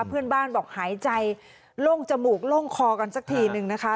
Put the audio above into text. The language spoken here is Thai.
เพื่อนบ้านบอกหายใจโล่งจมูกโล่งคอกันสักทีนึงนะคะ